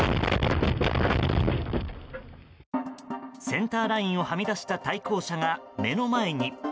センターラインをはみ出した対向車が目の前に。